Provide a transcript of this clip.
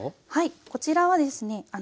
こちらはですね